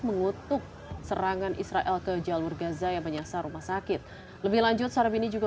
mengutuk serangan israel ke jalur gaza yang penyiasat rumah sakit lebih lanjut sarbini juga